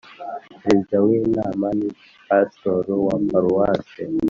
Perezida w inama ni Pasitori wa Paruwase